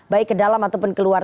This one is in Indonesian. baik ke dalam ataupun keluar